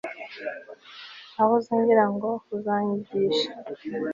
Nahoze ngirango uzanyigisha